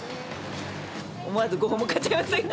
思わず５本も買っちゃいまし